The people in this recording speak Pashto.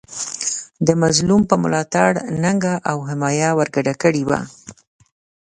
د مظلوم په ملاتړ ننګه او حمایه ورګډه کړې وه.